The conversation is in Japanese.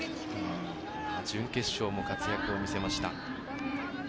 準決勝も活躍を見せました。